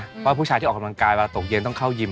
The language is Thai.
เพราะว่าผู้ชายที่ออกกำลังกายเวลาตกเย็นต้องเข้ายิม